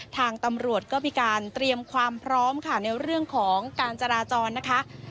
ทางตำรวจก็มีการเตรียมความพร้อมค่ะในเรื่องของการจราจรนะคะ